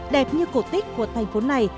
đẹp như cổ tích của thành phố này